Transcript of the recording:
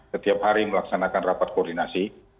setiap hari melaksanakan rapat koordinasi